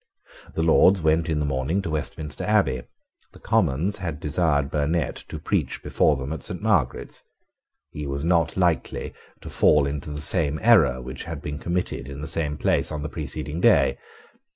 The Lords went in the morning to Westminster Abbey. The Commons had desired Burnet to preach before them at Saint Margaret's. He was not likely to fall into the same error which had been committed in the same place on the preceding day.